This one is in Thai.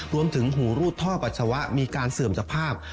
หูรูดท่อปัสสาวะมีการเสื่อมสภาพ